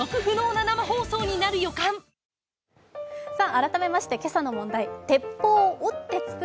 改めまして今朝の問題です。